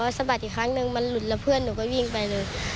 สะบัดอีกครั้งนึงมันหลุดแล้วเพื่อนหนูก็วิ่งไปเลย